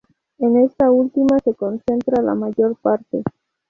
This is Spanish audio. En esta última se concentra la mayor parte.